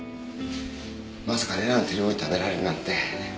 まさか礼菜の手料理食べられるなんて。